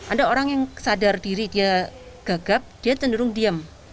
ada orang yang sadar diri dia gagap dia cenderung diam